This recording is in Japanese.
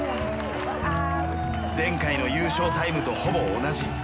前回の優勝タイムとほぼ同じ。